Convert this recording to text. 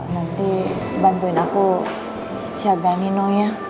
nanti bantuin aku siapa nino ya